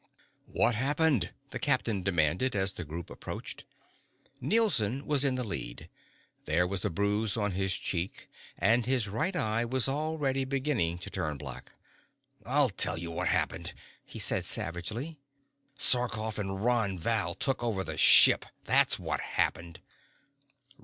"What happened?" the captain demanded, as the group approached. Nielson was in the lead. There was a bruise on his cheek and his right eye was already beginning to turn black. "I'll tell you what happened!" he said savagely. "Sarkoff and Ron Val took over the ship, that's what happened!"